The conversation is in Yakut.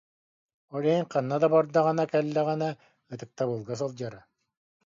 Ол иһин ханна да бардаҕына-кэллэҕинэ ытыктабылга сылдьара